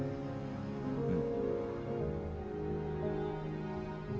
うん。